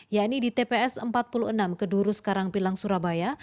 yakni di tps empat puluh enam keduru sekarang pilang surabaya